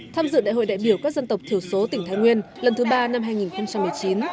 tham dự đại hội đại biểu các dân tộc thiểu số tỉnh thái nguyên lần thứ ba năm hai nghìn một mươi chín